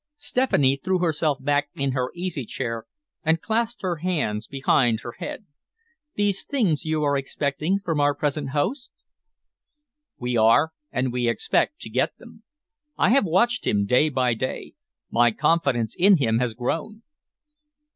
Stephanie threw herself back in her easy chair and clasped her hands behind her head. "These things you are expecting from our present host?" "We are, and we expect to get them. I have watched him day by day. My confidence in him has grown."